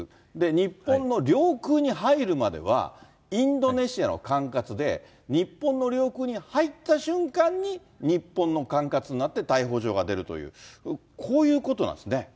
日本の領空に入るまでは、インドネシアの管轄で、日本の領空に入った瞬間に、日本の管轄になって、逮捕状が出るという、こういうことなんですね。